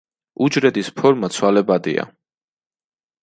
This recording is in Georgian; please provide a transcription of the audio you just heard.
უჯრედის ფორმა ცვალებადია.